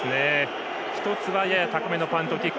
１つはやや高めのパントキック。